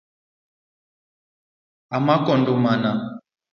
Amako ndumana .